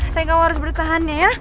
sayang kamu harus bertahannya ya